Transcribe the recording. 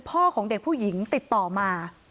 ของเด็กผู้หญิงติดต่อมา